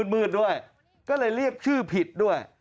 มืดด้วยก็เลยเรียกชื่อผิดด้วย